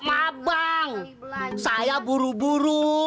mak bang saya buru buru